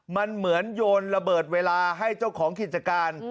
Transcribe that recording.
มันเหมือนโยนระเบิดเวลาให้เจ้าของกิจการ